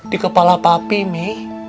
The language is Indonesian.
di kepala papi kami